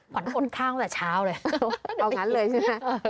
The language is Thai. ก่อนโอนข้างตั้งแต่เช้าเลยเอาอย่างงั้นเลยใช่ไหมเออ